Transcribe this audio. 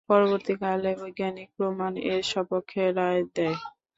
পরবর্তীকালে বৈজ্ঞানিক প্রমাণ এর স্বপক্ষে রায় দেয়।